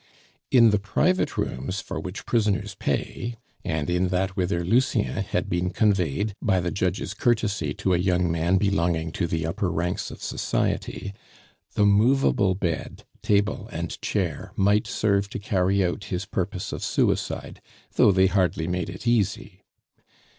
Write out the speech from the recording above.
In the private rooms for which prisoners pay, and in that whither Lucien had been conveyed by the judge's courtesy to a young man belonging to the upper ranks of society, the movable bed, table, and chair might serve to carry out his purpose of suicide, though they hardly made it easy.